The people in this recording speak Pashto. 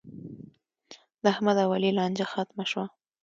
د احمد او علي لانجه ختمه شوه.